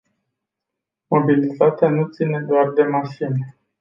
Mobilitatea nu ține doar de mașini.